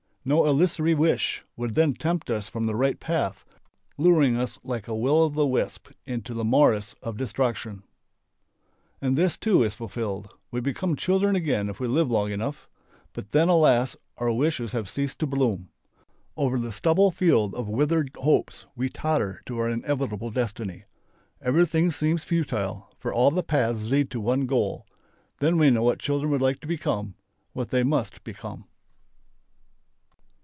No illusory wish would then tempt us from the right path, luring us like a will o' the wisp into the morass of destruction. And this wish too is fulfilled. We become children again if we live long enough. But then, alas! our wishes have ceased to bloom. Over the stubble field of withered hopes we totter to our inevitable destiny. Everything seems futile, for all paths lead to one goal. Then we know what children would like to become, what they must become.